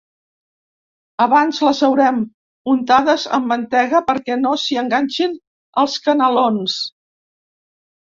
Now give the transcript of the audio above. Abans les haurem untades amb mantega perquè no s’hi enganxin els canelons.